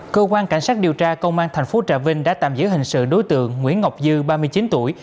cơ quan cảnh sát điều tra công an thành phố trà vinh đã tạm giữ hình sự đối tượng nguyễn ngọc dư ba mươi chín tuổi